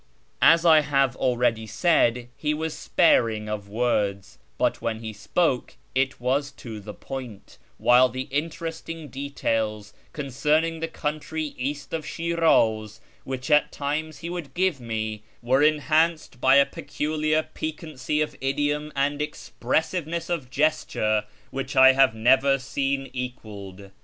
As I have already said, he was sparing of words, but when he spoke it was to the point ; while the interesting details concerning the country east of Shiraz which at times he would give me were enhanced by a peculiar piquancy of idiom and expres siveness of gesture which I have never seen equalled.